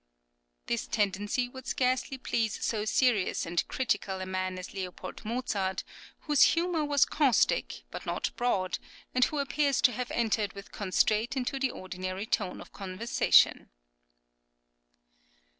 This tendency would scarcely please so serious and critical a man as L. Mozart, whose humour was caustic, but not broad, and who appears to have entered with constraint into the ordinary tone of conversation.